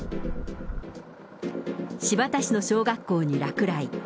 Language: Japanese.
新発田市の小学校に落雷。